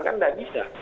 kan tidak bisa